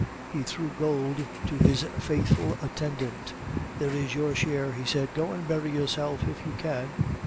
"He threw gold to his faithful attendant. "'There is your share,' he said; 'go and bury yourself if you can.